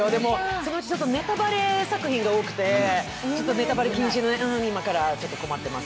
そのうちちょっとネタバレ作品が多くて、ネタバレ禁止も、今からちょっと困ってます。